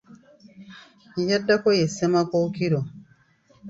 Eyaddako ye Ssemakookiro.